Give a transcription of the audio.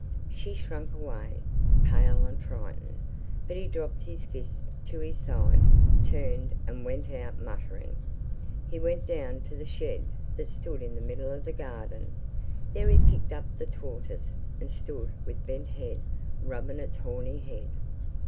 She shrank away, pale and frightened. But he dropped his fist to his side, turned, and went out, muttering. He went down to the shed that stood in the middle of the garden. There he picked up the tortoise, and stood with bent head, rubbing its horny head.